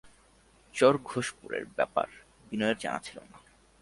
চর-ঘোষপুরের ব্যাপার বিনয়ের জানা ছিল না।